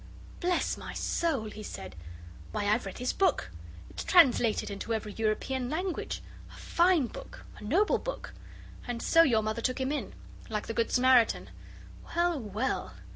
Bless my soul!" he said. "Why, I've read his book! It's translated into every European language. A fine book a noble book. And so your mother took him in like the good Samaritan. Well, well.